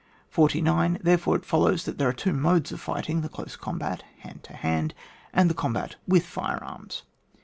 49. Therefore, it follows that there are two modes of fighting— the close combat (hand to hand) and the combat with fire arms.